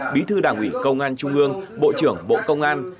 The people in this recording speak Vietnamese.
bí thư đảng ủy công an trung ương bộ trưởng bộ công an